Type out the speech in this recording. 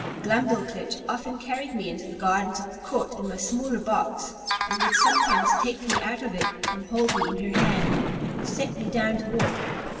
Glumdalclitch often carried me into the gardens of the court in my smaller box, and would sometimes take me out of it, and hold me in her hand, or set me down to walk.